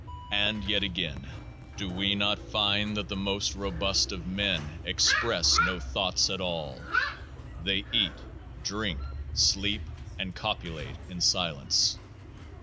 And yet again ! Do we not find that the most robust of men express no thoughts at all? They eat, drink, sleep, and copulate in silence.